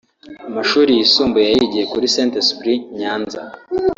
Amashuri yisumbuye yayigiye kuri Sainte Esprit Nyanza